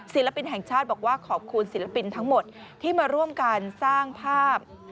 ศิลปินแห่งชาติบอกว่าขอบคุณศิลปินทั้งหมดที่มาร่วมกันสร้างภาพ